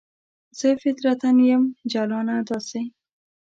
زه فطرتاً یم جلانه داسې